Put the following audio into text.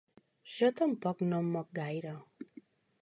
Jo tampoc no em moc gaire.